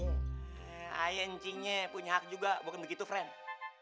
eh ayo ncingnya punya hak juga bukan begitu frenzy